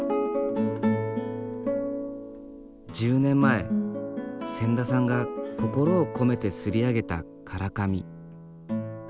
１０年前千田さんが心を込めて刷り上げた唐紙。